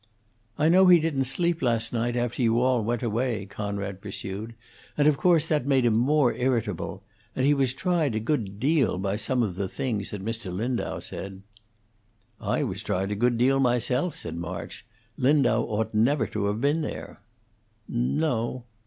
"I know he didn't sleep last night, after you all went away," Conrad pursued, "and of course that made him more irritable; and he was tried a good deal by some of the things that Mr. Lindau said." "I was tried a good deal myself," said March. "Lindau ought never to have been there." "No."